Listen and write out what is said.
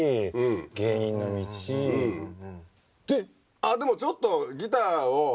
ああでもちょっとギターを。